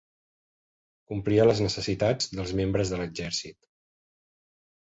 Complia les necessitats dels membres de l'exèrcit.